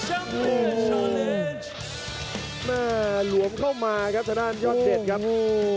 โอ้โหมาหลวมเข้ามาครับส่วนด้านยอดเด็ดครับโอ้โห